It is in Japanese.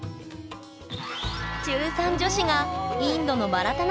中３女子がインドのバラタ